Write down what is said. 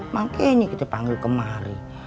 maka ini kita panggil kemari